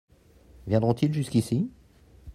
Viendront-ils jusqu'ici ?